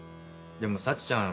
でも沙智ちゃん